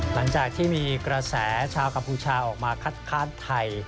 หลังจากที่มีกระแสชาวกัมพูชาออกมาคัดค้านไทย